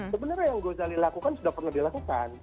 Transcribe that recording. sebenarnya yang gozali lakukan sudah pernah dilakukan